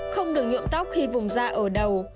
không được nhuộm tóc khi vùng da ở đầu